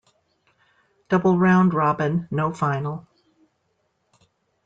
Double-round robin, no final.